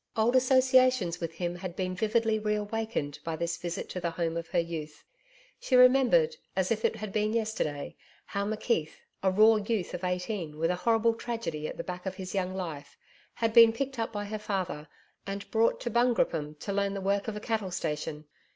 Old associations with him had been vividly reawakened by this visit to the home of her youth. She remembered, as if it had been yesterday, how McKeith, a raw youth of eighteen with a horrible tragedy at the back of his young life, had been picked up by her father and brought to Bungroopim to learn the work of a cattle station....